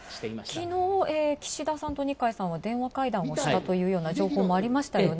きのう、岸田さんと二階さんは電話会談をしたという情報もありましたよね。